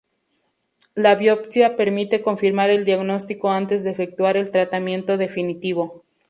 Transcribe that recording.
La biopsia permite confirmar el diagnóstico antes de efectuar el tratamiento definitivo.